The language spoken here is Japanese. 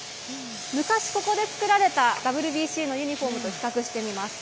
昔ここで作られたＷＢＣのユニホームと比較してみます。